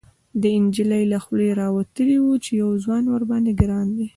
، د نجلۍ له خولې راوتلي و چې يو ځوان ورباندې ګران دی.